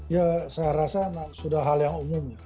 ya saya rasa sudah hal yang umumnya